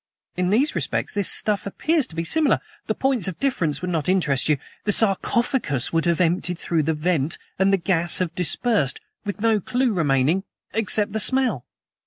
In these respects this stuff appears to be similar; the points of difference would not interest you. The sarcophagus would have emptied through the vent, and the gas have dispersed, with no clew remaining except the smell."